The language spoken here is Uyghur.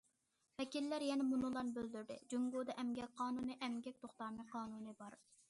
ۋەكىللەر يەنە مۇنۇلارنى بىلدۈردى: جۇڭگودا ئەمگەك قانۇنى، ئەمگەك توختامى قانۇنى بار.